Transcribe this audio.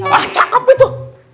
wah cakep itu